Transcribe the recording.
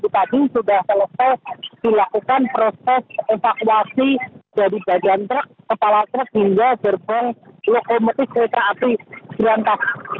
tadi sudah selesai dilakukan proses evakuasi dari bagian truk kepala truk hingga gerbang lokomotif kereta api berantak